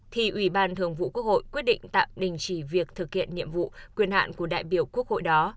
thì ủy ban thường vụ quốc hội quyết định tạm đình chỉ việc thực hiện nhiệm vụ quyền hạn của đại biểu quốc hội đó